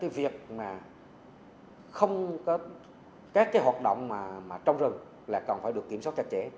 và các hoạt động trong rừng là còn phải được kiểm soát chặt chẽ